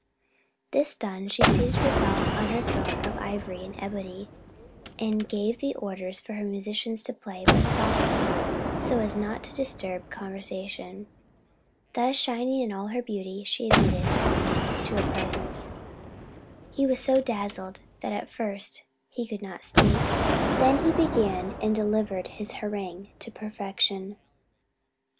This done, she seated herself on her throne of ivory and ebony, and gave orders for her musicians to play, but softly, so as not to disturb conversation. Thus, shining in all her beauty, she admitted Avenant to her presence. He was so dazzled that at first he could not speak: then he began and delivered his harangue to perfection.